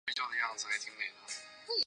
奥尔人口变化图示